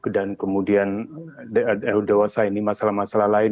dan kemudian dewasa ini masalah masalah lain